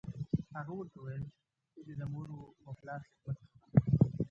هغه ورته وویل: ته دې د مور و پلار خدمت کوه.